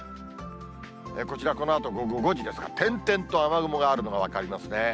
こちらこのあと午後５時ですが、点々と雨雲があるのが分かりますね。